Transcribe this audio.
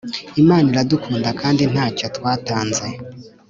Imana iradukunda kandi ntacyo twatanze